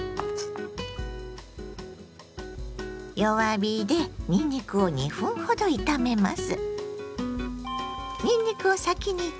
弱火でにんにくを２分ほど炒めます。